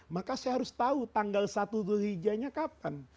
maka saya harus tahu tanggal satu dhul hijjahnya kapan